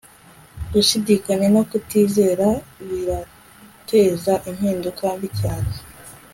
Gushidikanya no kutizera birateza impinduka mbi cyane